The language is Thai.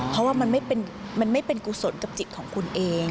เพราะว่ามันไม่เป็นกุศลกับจิตของคุณเอง